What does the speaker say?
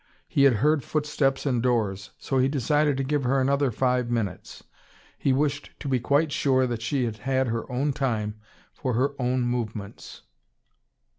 He had heard footsteps and doors. So he decided to give her another five minutes. He wished to be quite sure that she had had her own time for her own movements.